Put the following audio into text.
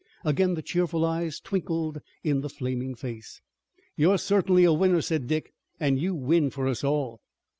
Again the cheerful eyes twinkled in the flaming face. "You're certainly a winner," said Dick, "and you win for us all."